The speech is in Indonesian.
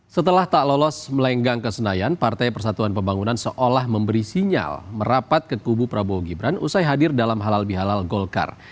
setelah tak lolos melenggang ke senayan partai persatuan pembangunan seolah memberi sinyal merapat ke kubu prabowo gibran usai hadir dalam halal bihalal golkar